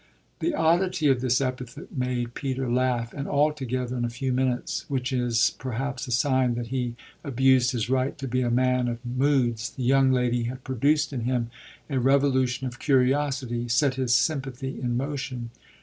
The oddity of this epithet made Peter laugh, and altogether, in a few minutes, which is perhaps a sign that he abused his right to be a man of moods, the young lady had produced in him a revolution of curiosity, set his sympathy in motion.